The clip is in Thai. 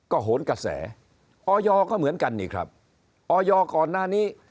โหนกระแสออยก็เหมือนกันนี่ครับออยก่อนหน้านี้